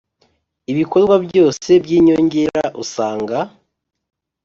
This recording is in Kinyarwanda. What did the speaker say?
ibikorwa byose by inyongera usanga